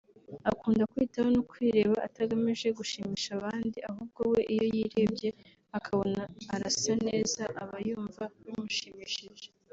Akunda kwiyitaho no kwireba atagamije gushimisha abandi ahubwo we iyo yirebye akabona arasa neza aba yumva bimushimishije